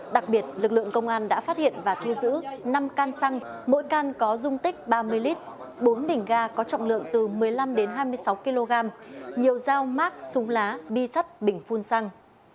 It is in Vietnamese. đặc biệt lực lượng công an đã phát hiện và thu giữ năm can xăng mỗi can có dung tích ba mươi lít bốn bình ga có trọng lượng từ một mươi năm đến hai mươi sáu kg nhiều dao mát súng lá bi sắt bình phun xăng